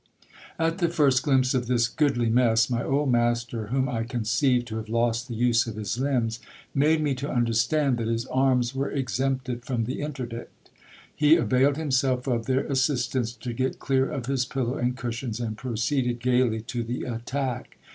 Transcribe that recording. At the first glimpse of this goodly mess, my old master, whom I conceived to have lost the use of his limbs, made me to understand that his arms were exempted from the interdict. He availed himself of their assistance, to get clear of his pillow and cushions, and proceeded gaily to the attack.